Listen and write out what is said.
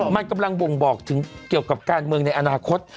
มันกำลังบ่งบอกถึงเกี่ยวกับการเมืองในอนาคต